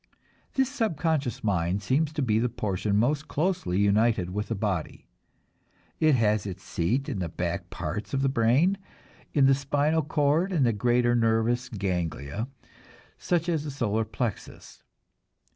This subconscious mind seems to be the portion most closely united with the body. It has its seat in the back parts of the brain, in the spinal cord and the greater nervous ganglia, such as the solar plexus.